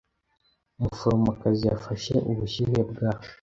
Umuforomokazi yafashe ubushyuhe bwa .